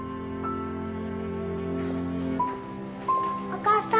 お母さん。